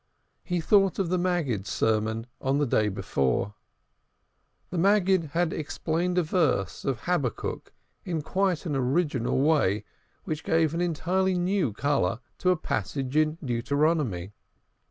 He thought of the Maggid's sermon on the day before. The Maggid had explained a verse of Habakkuk in quite an original way which gave an entirely new color to a passage in Deuteronomy.